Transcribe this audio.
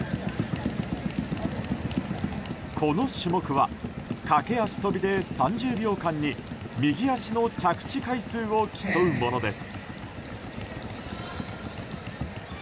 この種目は、かけ足跳びで３０秒間に右足の着地回数を競うものです。